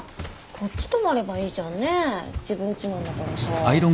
こっち泊まればいいじゃんねぇ自分ちなんだからさ。